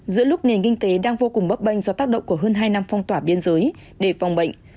giữa lúc nền kinh tế đang vô cùng bấp bênh do tác động của hơn hai năm phong tỏa biên giới để phòng bệnh